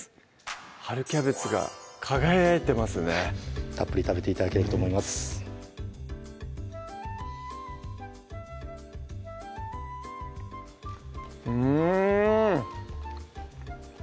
春キャベツが輝いてますねたっぷり食べて頂けると思いますうん！